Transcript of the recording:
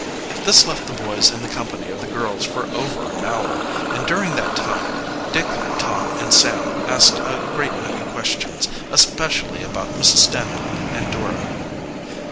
This left the boys in the company of the girls for over an hour, and during that time Dick, Tom and Sam asked a great many questions, especially about Mrs. Stanhope and Dora.